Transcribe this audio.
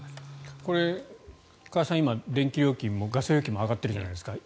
これ、加谷さん今電気代もガス代も上がっているじゃないですか